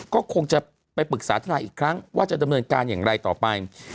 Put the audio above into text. ก็คงจะไปปรึกษาทนายอีกครั้งว่าจะดำเนินการอย่างไรต่อไป